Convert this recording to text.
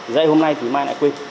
dạy hôm nay thì mai lại quên